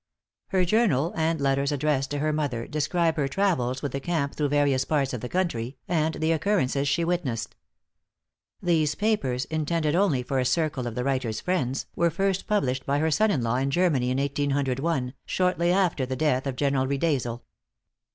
Her journal, and letters addressed to her mother, describe her travels with the camp through various parts of the country, and the occurrences she witnessed. These papers, intended only for a circle of the writer's friends, were first published by her son in law in Germany in 1801, shortly after the death of General Riedesel.